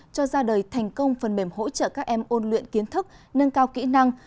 cho ra đời thành công phần mềm hỗ trợ các em ôn luyện kiến thức nâng cao kỹ năng